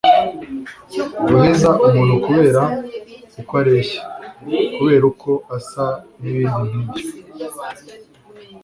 guheza umuntu kubera uko areshya, kubera uko asa n'ibindi nkibyo